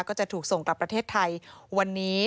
ก็จะถูกส่งกลับประเทศไทยวันนี้